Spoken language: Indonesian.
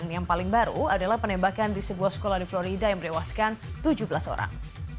yang paling baru adalah penembakan di sebuah sekolah di florida yang merewaskan tujuh belas orang